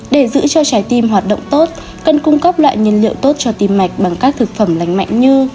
để giữ cho trái tim hoạt động tốt cần cung cấp loại nhiên liệu tốt cho tim mạch bằng các thực phẩm lành mạnh như